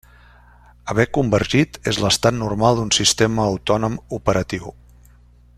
Haver convergit és l'estat normal d'un sistema autònom operatiu.